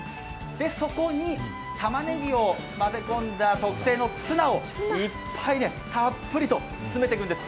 そこに、たまねぎを混ぜ込んだ特製のツナをいっぱい、たっぷりと詰めていくんです。